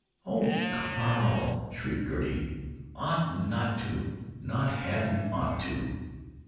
"Oh, Carl!" shrieked Gertie. "'Ought not to,' not 'hadn't ought to'!"